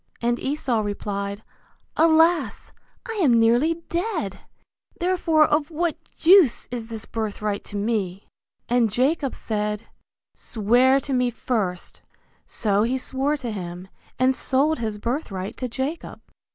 And Esau replied, Alas! I am nearly dead, therefore of what use is this birthright to me? And Jacob said, Swear to me first; so he swore to him, and sold his birthright to Jacob.